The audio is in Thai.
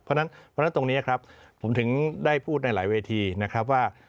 เพราะฉะนั้นตรงนี้ครับผมถึงได้พูดในหลายเวทีนะครับว่า